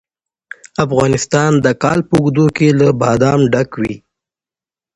افغانستان د کال په اوږدو کې له بادام ډک وي.